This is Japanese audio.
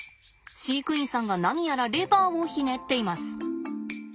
飼育員さんが何やらレバーをひねっています。